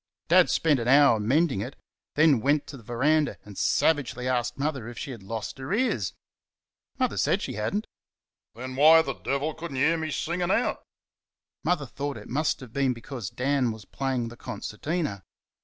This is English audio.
Dad spent an hour mending it; then went to the verandah and savagely asked Mother if she had lost her ears. Mother said she had n't. "Then why the devil could n't y' hear me singin' out?" Mother thought it must have been because Dan was playing the concertina.